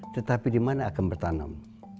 tetapi di mana akan bertanam